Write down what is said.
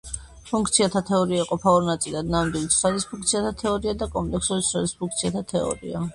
ფუნქციათა თეორია იყოფა ორ ნაწილად: ნამდვილი ცვლადის ფუნქციათა თეორია და კომპლექსური ცვლადის ფუნქციათა თეორია.